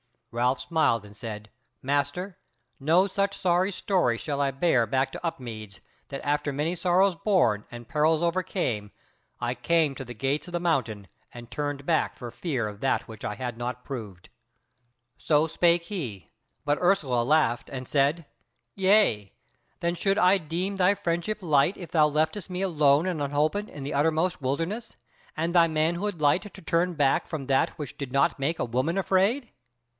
Ralph smiled and said: "Master, no such sorry story shall I bear back to Upmeads, that after many sorrows borne, and perils overcome, I came to the Gates of the Mountains, and turned back for fear of that which I had not proved." So spake he; but Ursula laughed and said: "Yea, then should I deem thy friendship light if thou leftest me alone and unholpen in the uttermost wilderness; and thy manhood light to turn back from that which did not make a woman afraid."